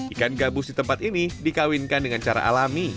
ikan gabus di tempat ini dikawinkan dengan cara alami